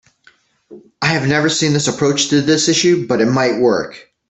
I have never seen this approach to this issue, but it might work.